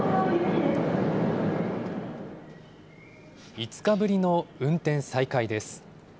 ５日ぶりの運転再開です。